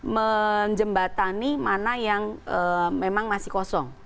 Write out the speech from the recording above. menjembatani mana yang memang masih kosong